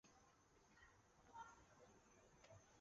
文宗说不妨任李宗闵为州刺史。